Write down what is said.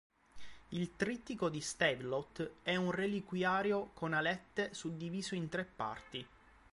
Il trittico di Stavelot è un reliquiario con alette suddiviso in tre parti.